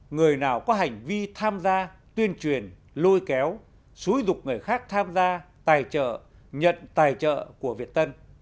người nào có hành vi tham gia tuyên truyền lôi kéo xúi dục người khác tham gia tài trợ nhận tài trợ của việt tân